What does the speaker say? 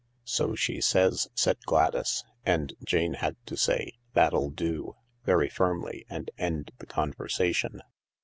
"So she says," said Gladys. And Jane had to say, "That'll do," very firmly and end the conversation.